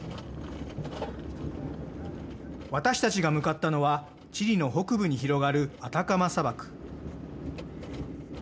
私たちが向かったのはチリの北部に広がるアタカマ砂漠。